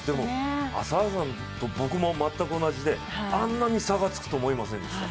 朝原さんと僕も全く同じであんなに差がつくと思いませんでした。